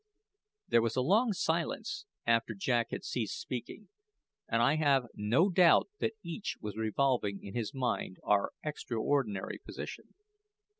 There was a long silence after Jack had ceased speaking, and I have no doubt that each was revolving in his mind our extraordinary position.